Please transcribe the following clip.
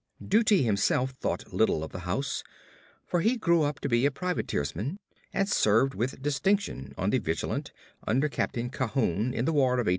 Dutee himself thought little of the house, for he grew up to be a privateersman, and served with distinction on the Vigilant under Captain Cahoone in the War of 1812.